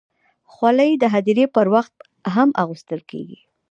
خولۍ د هدیرې پر وخت هم اغوستل کېږي.